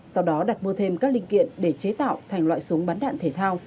sau đó đặt mua thêm các linh kiện để chế tạo thành loại súng bắn đạn thể thao